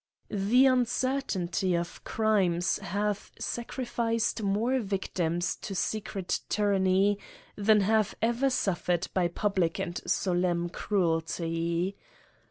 The uncertainty of crimes hath sacrificed more victims to secret tyranny than have €ver suffered by public and solemn cruelty.